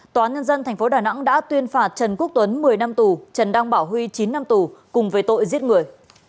tòa nhân dân tp đà nẵng đã tuyên phạt trần quốc tuấn một mươi năm tù trần đăng bảo huy chín năm tù cùng với tội giết người